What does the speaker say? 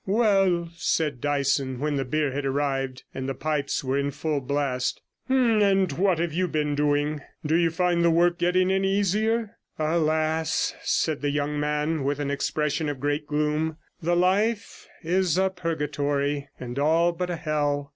'Well,' said Dyson, when the beer had arrived, and the pipes were in full blast, 'and what have you been doing? Do you find the work getting any easier?' 'Alas!' said the young man, with an expression of great gloom, 'the life is a purgatory, and all but a hell.